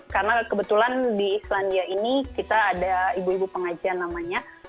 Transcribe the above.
karena kebetulan di islandia ini kita ada ibu ibu pengajian namanya